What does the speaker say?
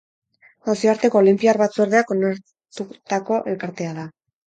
Nazioarteko Olinpiar Batzordeak onartutako elkartea da.